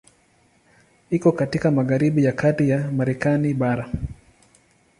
Iko katika magharibi ya kati ya Marekani bara.